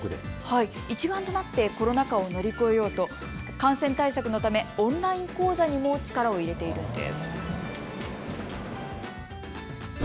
一丸となってコロナ禍を乗り越えようと感染対策のためオンライン講座にも力を入れています。